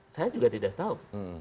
saya juga tidak tahu